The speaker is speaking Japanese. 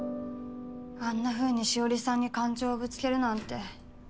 あんなふうに紫織さんに感情をぶつけるなんて。